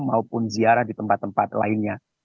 maupun ziarah di tempat tempat lainnya